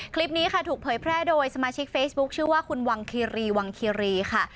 คลิปนี้ค่ะถูกเผยแพร่โดยสมาชิกเฟซบุ๊คชื่อว่าคุณวังคีรีวังคีรีค่ะ